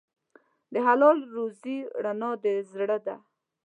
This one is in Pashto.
د حلال روزي رڼا د زړه ده.